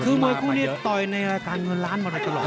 คือมวยคู่นี้ต่อยในรายการเงินล้านมาโดยตลอด